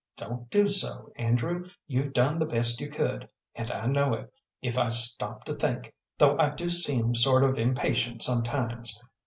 Don't do so, Andrew; you've done the best you could, and I know it, if I stop to think, though I do seem sort of impatient sometimes.